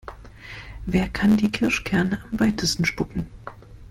Wer kann die Kirschkerne am weitesten spucken?